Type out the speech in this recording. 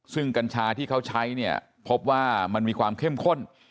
ซึ่งกัญชาที่เขาใช้เนี่ยพบว่ามันมีความเข้มข้น